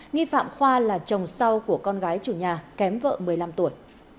nghi phạm khoa là chồng sau của con gái chủ nhà kém vợ một mươi năm tuổi